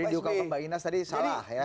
jadi diukang ke mbak inas tadi salah ya